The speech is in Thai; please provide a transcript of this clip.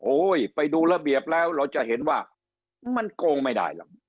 ไปดูระเบียบแล้วเราจะเห็นว่ามันโกงไม่ได้หรอก